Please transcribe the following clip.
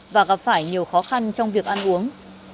và gặp phải nhiều khó khăn trong việc ăn uống